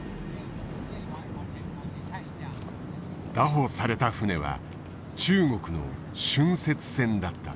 拿捕された船は中国の浚渫船だった。